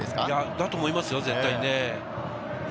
だと思いますよ。